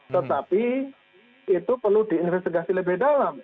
tetapi itu perlu diinvestigasi lebih dalam